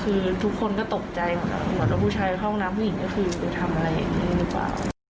ก็คือทุกคนก็ตกใจเหมือนกันว่าผู้ชายเข้าห้องน้ำผู้หญิงก็คือทำอะไรอย่างนี้หรือเปล่า